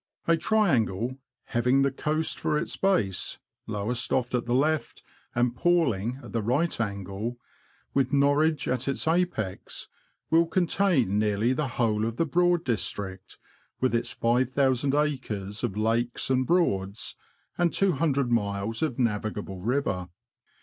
TRIANGLE, having the coast for its base (Lowestoft at the left, and Palling at the :^P't^ right angle), with Norwich at its apex, will contain nearly the whole of the Broad district, with its 5000 acres of lakes and Broads, and 200 miles of navigable river.